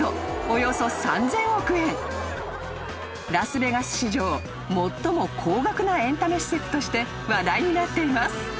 ［ラスベガス史上最も高額なエンタメ施設として話題になっています］